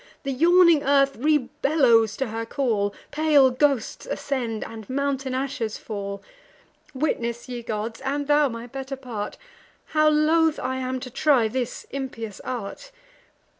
The yawning earth rebellows to her call, Pale ghosts ascend, and mountain ashes fall. Witness, ye gods, and thou my better part, How loth I am to try this impious art!